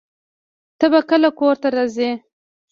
ته به کله کور ته راځې؟